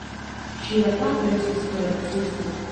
Ŝia patro estis kuracisto.